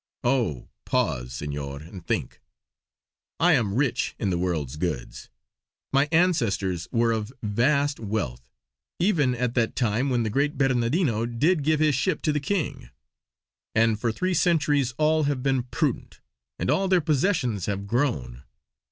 Oh! pause, Senor, and think. I am rich in the world's goods. My ancestors were of vast wealth; even at that time when the great Bernardino did give his ship to his king. And for three centuries all have been prudent; and all their possessions have grown.